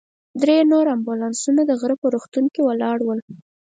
درې نور امبولانسونه د غره په روغتون کې ولاړ ول.